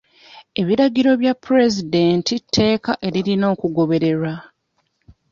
Ebiragiro bya puleezidenti tteeka eririna okugobererwa.